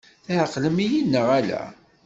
Tɛeqlem-iyi-d neɣ ala?